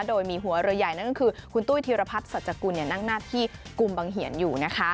โดยมีหัวเรือใหญ่นั่นก็คือคุณตุ้ยธีรพัฒน์สัจกุลนั่งหน้าที่กุมบังเหียนอยู่